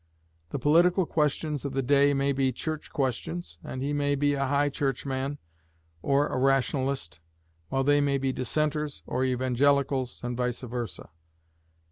The political questions of the day may be Church questions, and he may be a High Churchman or a Rationalist, while they may be Dissenters or Evangelicals, and vice versâ.